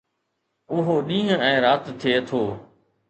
اهو ڏينهن ۽ رات ٿئي ٿو